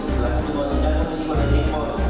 selanjutnya dikutuasi dari polisi kodifikasi